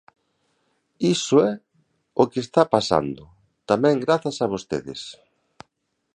Iso é o que está pasando, tamén, grazas a vostedes.